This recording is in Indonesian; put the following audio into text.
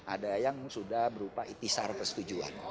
ada yang sudah berupa itisar persetujuan